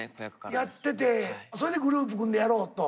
やっててそれでグループ組んでやろうと。